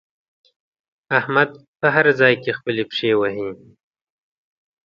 احمد په هر ځای کې خپلې پښې وهي.